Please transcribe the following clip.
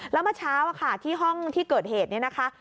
แล้วเมื่อเช้าที่ห้องที่เกิดเหตุเนี่ยนะคะ